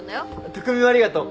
匠もありがとう。